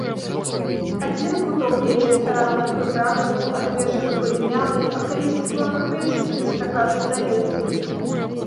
Адзін куток яе, старанна прыбраны, быў адвешаны палінялай, а калісьці, пэўна, квяцістай, стракатай завесай.